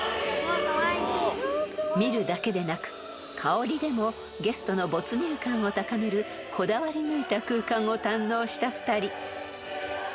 ［見るだけでなく香りでもゲストの没入感を高めるこだわりぬいた空間を堪能した２人］